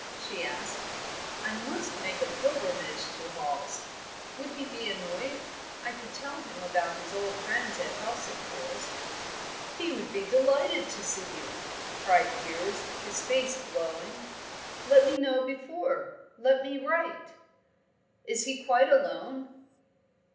she asked. "I must make a pilgrimage to Hawes. Would he be annoyed? I could tell him about his old friends at Helsingfors " "He would be delighted to see you!" cried Piers, his face glowing. "Let me know before let me write " "Is he quite alone?"